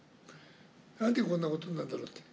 なんでこんなことになるんだろうって。